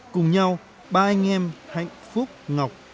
cùng nhau ba anh em hạnh phúc ngọc